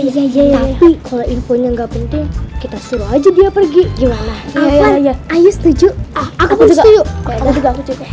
iya iya iya kalau infonya nggak penting kita suruh aja dia pergi gimana ya ayo setuju aku juga aku juga